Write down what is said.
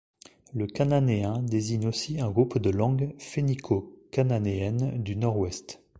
Le cananéen désigne aussi un groupe de langues phénico-cananéennes du nord-ouest.